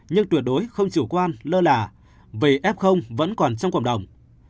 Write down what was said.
nhưng tuyệt đối không chủ quan lơ lả vì f vẫn còn trong cộng đồng